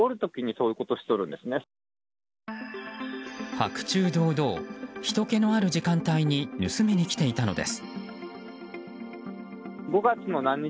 白昼堂々ひとけのある時間帯に盗みに来ていたのです。